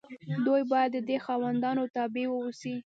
دوی باید د دې خاوندانو تابع واوسي.